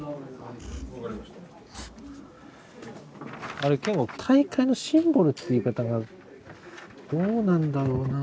あれ健悟「大会のシンボル」って言い方がどうなんだろうなぁという。